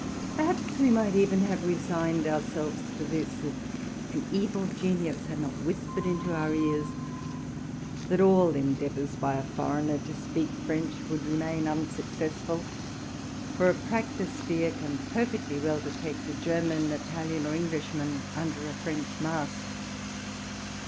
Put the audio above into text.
Perhaps we might even have resigned ourselves to this, if an evil genius had not whispered into our ears that all en deavors by a foreigner to speak French would remain un successful; for a practised ear can perfectly well detect a German, Italian, or Englishman under a French mask.